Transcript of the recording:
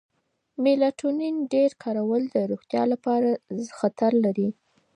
میلاټونین ډېر کارول د روغتیا لپاره خطر لري.